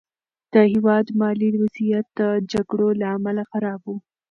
د هېواد مالي وضعیت د جګړو له امله خراب و.